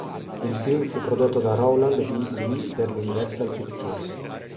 Il film fu prodotto da Rowland V. Lee per l'Universal Pictures.